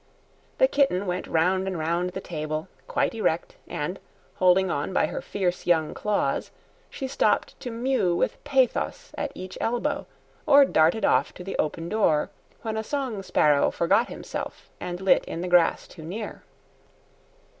The kitten went round and round the table, quite erect, and, holding on by her fierce young claws, she stopped to mew with pathos at each elbow, or darted off to the open door when a song sparrow forgot himself and lit in the grass too near.